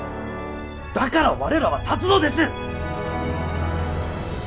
だから我らは立つのです！